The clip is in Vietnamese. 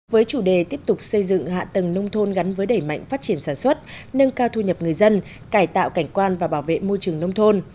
với chủ đề tiếp tục xây dựng hạ tầng nông thôn gắn với đẩy mạnh phát triển sản xuất nâng cao thu nhập người dân cải tạo cảnh quan và bảo vệ môi trường nông thôn